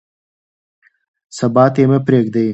سبا ته یې مه پرېږدئ.